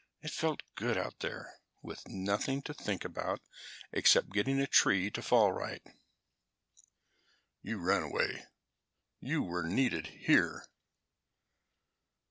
It felt good out there, with nothing to think about except getting a tree to fall right." "You ran away. You were needed here."